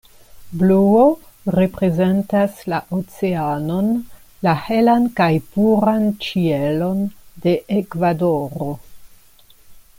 Bluo reprezentas la oceanon, la helan kaj puran ĉielon de Ekvadoro.